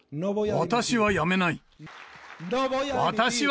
私は辞めない！